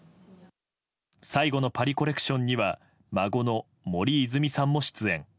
最後のパリコレクションには孫の森泉さんも出演。